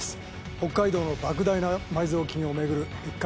北海道のばく大な埋蔵金を巡る一獲